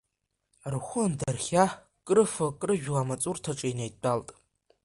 Рхәы андырхиа, крыфо-крыжәуа амаҵурҭаҿы инеидтәалт.